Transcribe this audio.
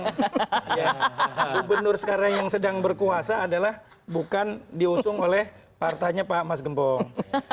gubernur sekarang yang sedang berkuasa adalah bukan diusung oleh partainya pak mas gembong